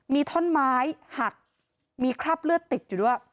มีท่อนไม้หักมีคราบเลือดติดอยู่ด้วย